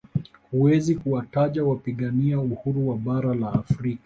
Huwezi kuwataja wapigania uhuru wa bara la Afrika